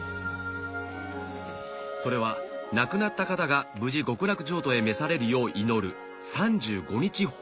それは亡くなった方が無事極楽浄土へ召されるよう祈る